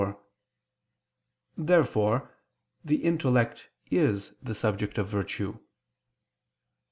Therefore the intellect is the subject of virtue.